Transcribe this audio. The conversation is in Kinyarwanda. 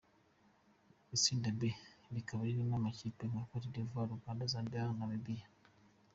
Itsinda B rikaba ririmo amakipe nka: Cote d’Ivoire, Uganda, Zambie na Namibie.